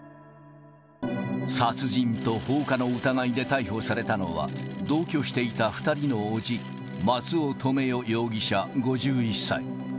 殺人と放火の疑いで逮捕されたのは、同居していた２人の伯父、松尾留与容疑者５１歳。